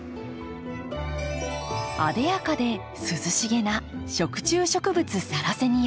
艶やかで涼しげな食虫植物サラセニア。